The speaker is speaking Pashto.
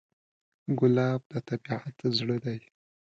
ګلاب د طبیعت زړه دی.